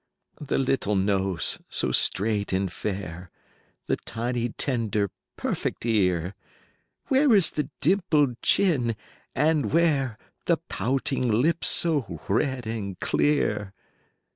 The little nose so straight and fair; 45 The tiny tender perfect ear; Where is the dimpled chin and where The pouting lips so red and clear?